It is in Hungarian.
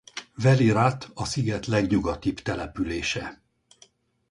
Veli Rat a sziget legnyugatibb települése.